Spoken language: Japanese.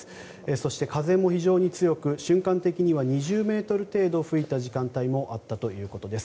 そして、風も非常に強く瞬間的には２０メートル程度吹いた時間帯もあったということです。